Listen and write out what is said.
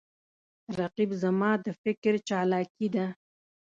رقیب زما د فکر چالاکي ده